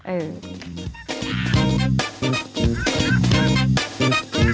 เออ